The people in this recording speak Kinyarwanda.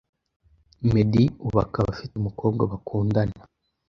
Meddy ubu akaba afite umukobwa bakundana